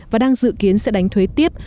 và đang dự kiến sẽ đánh thuế tiếp